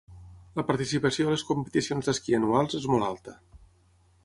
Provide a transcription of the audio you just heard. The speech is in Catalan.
La participació a les competicions d'esquí anuals és molt alta.